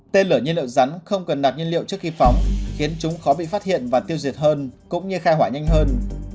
tên lửa nhiên liệu rắn không cần nạc nhiên liệu trước khi phóng khiến chúng khó bị phát hiện và tiêu diệt hơn cũng như khai hỏa nhanh hơn